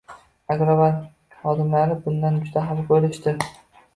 Agrobank xodimlari bundan juda xafa bo'lishdi